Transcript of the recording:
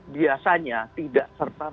biasanya tidak serta merta mereka